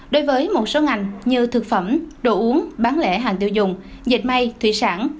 đối với một số ngành như thực phẩm đồ uống bán lễ hàng tiêu dùng dịch may thủy sản